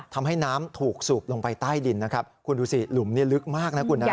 ทำให้น้ำถูกสูบลงไปใต้ดินนะครับคุณดูสิหลุมลึกมากนะคุณนะ